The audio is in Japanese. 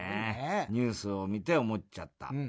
「ニュースを見て思っちゃった。